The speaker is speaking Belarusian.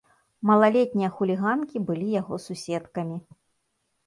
Малалетнія хуліганкі былі яго суседкамі.